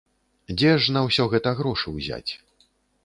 Дзе ж на ўсё гэта грошы ўзяць?